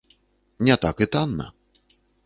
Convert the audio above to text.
Не так і танна.